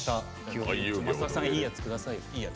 増田さん、いいやつください。